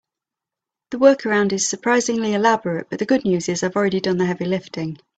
The workaround is surprisingly elaborate, but the good news is I've already done the heavy lifting.